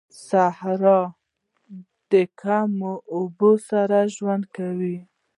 صحرا د کمو اوبو سره ژوند کوي